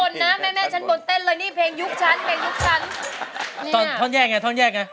ยอดจริงนะฮะ